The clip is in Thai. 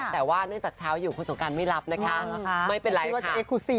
แต่ว่าเนื่องจากเช้าอยู่คุณสงการไม่รับนะคะไม่เป็นไร